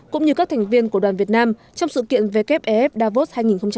cũng như các thành viên của đoàn việt nam trong sự kiện wfef davos hai nghìn một mươi chín